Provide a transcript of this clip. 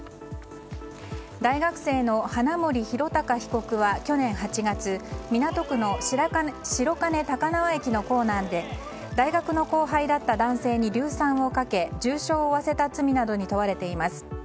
大学生の花森弘卓被告は去年８月港区の白金高輪駅の構内で大学の後輩だった男性に硫酸をかけ重傷を負わせた罪などに問われています。